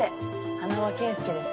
花輪景介です。